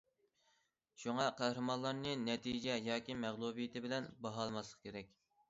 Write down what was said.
شۇڭا قەھرىمانلارنى نەتىجە ياكى مەغلۇبىيىتى بىلەن باھالىماسلىق كېرەك.